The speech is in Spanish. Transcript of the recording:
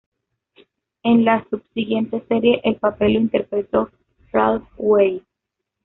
En la subsiguiente serie el papel lo interpretó Ralph Waite.